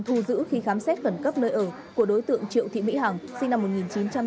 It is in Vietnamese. thu giữ khi khám xét khẩn cấp nơi ở của đối tượng triệu thị mỹ hằng sinh năm một nghìn chín trăm tám mươi